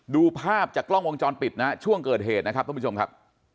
ดูภาพจากกล้องวงจรปิดนะฮะช่วงเกิดเหตุนะครับท่านผู้ชมครับ